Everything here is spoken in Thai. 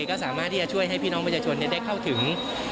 ก็สามารถที่จะช่วยให้พี่น้องประชาชนได้เข้าถึง